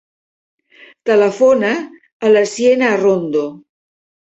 Telefona a la Siena Arrondo.